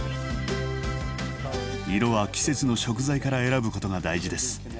色は季節の食材から選ぶことが大事です。